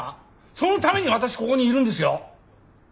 そのために私ここにいるんですよ。